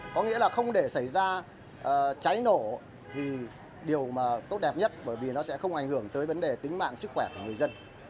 có nghĩa là không để xảy ra cháy nổ thì điều mà tốt đẹp nhất bởi vì nó sẽ không ảnh hưởng tới vấn đề tính mạng sức khỏe của người dân